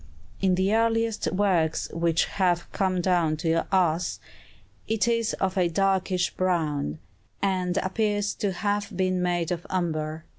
In the earliest works which have come down to us, it is of a darkish brown, and appears to have been made of umber.